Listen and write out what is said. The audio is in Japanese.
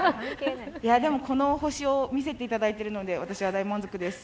この星を見せていただいているので、私は大満足です。